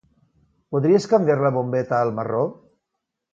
Podries canviar la bombeta al marró?